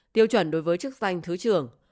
tiêu chuẩn đối với chức danh thứ trưởng